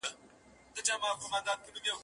راته مخ کې د ښادیو را زلمي مو یتیمان کې